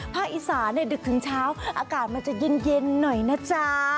ภาคอีสานเนี้ยดึกถึงเช้าอากาศมันจะเย็นเย็นหน่อยนะจ๊ะ